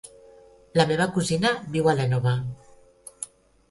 La meva cosina viu a l'Énova.